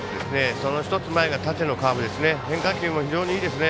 その１つ前が縦のカーブですね。